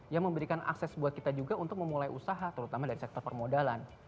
yang memberikan akses buat kita juga untuk memulai usaha terutama dari sektor permodalan